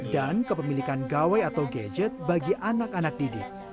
dan kepemilikan gawai atau gadget bagi anak anak didik